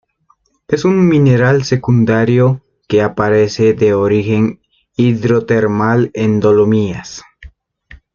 Es un mineral secundario que aparece de origen hidrotermal en dolomías.